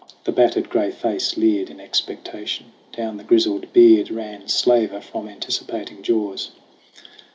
The battered gray face leered In expectation. Down the grizzled beard Ran slaver from anticipating jaws.